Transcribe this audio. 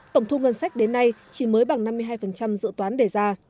tổng thu ngân sách đến nay chỉ mới bằng năm mươi hai dự toán đề ra